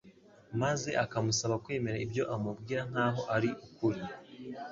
maze akamusaba kwemera ibyo amubwira nkaho ari ukuri.